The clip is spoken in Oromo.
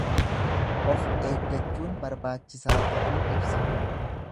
Of eeggachuun barbaachisaa ta'uu ibsa.